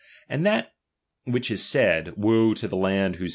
, ^\jid that which is said, woe to the land whose